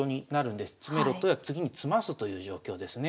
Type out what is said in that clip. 詰めろというのは次に詰ますという状況ですね。